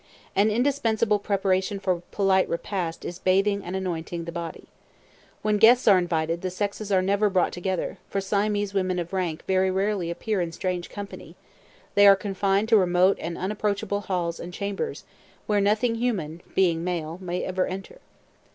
An indispensable preparation for polite repast is by bathing and anointing the body. When guests are invited, the sexes are never brought together; for Siamese women of rank very rarely appear in strange company; they are confined to remote and unapproachable halls and chambers, where nothing human, being male, may ever enter.